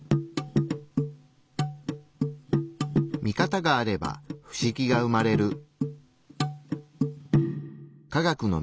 ミカタがあれば不思議が生まれる。